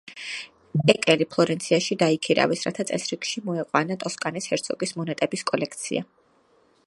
ეკელი ფლორენციაში დაიქირავეს, რათა წესრიგში მოეყვანა ტოსკანის ჰერცოგის მონეტების კოლექცია.